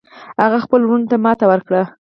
هغه خپلو وروڼو ته ماتې ورکړه.